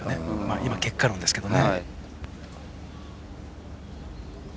今、結果論ですけどね。